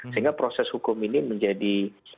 sehingga proses hukum ini menjadi